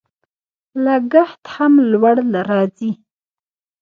لګښت هم لوړ راځي.